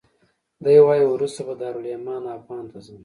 دی وایي وروسته به دارالایمان افغان ته ځم.